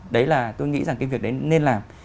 đấy là tôi nghĩ rằng cái việc đấy nên làm